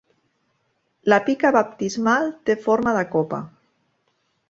La pica baptismal té forma de copa.